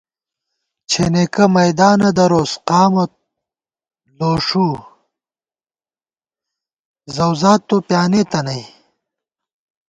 چھېنېکہ میدانہ دروس قامہ لوݭُوؤ، زَؤزاد تو پیانېتہ نئ